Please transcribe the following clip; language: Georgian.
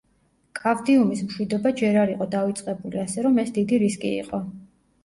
კავდიუმის მშვიდობა ჯერ არ იყო დავიწყებული, ასე რომ ეს დიდი რისკი იყო.